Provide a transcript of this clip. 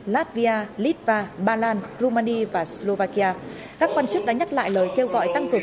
latvia litva ba lan rumania và slovakia các quan chức đã nhắc lại lời kêu gọi tăng cường